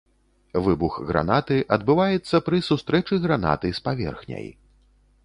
Выбух гранаты адбываецца пры сустрэчы гранаты с паверхняй.